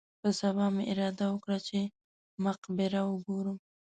په سبا مې اراده وکړه چې مقبره وګورم.